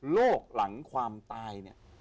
หลังความตายเนี่ย